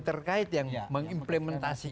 terkait yang mengimplementasi